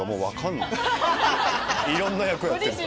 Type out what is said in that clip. いろんな役をやってるから。